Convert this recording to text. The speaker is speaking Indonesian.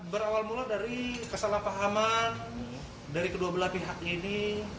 berawal mula dari kesalahpahaman dari kedua belah pihak ini